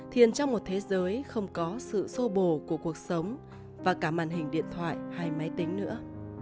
thiền trong một thế giới không có sự sô bồ của cuộc sống và cả màn hình điện thoại hay máy tính nữa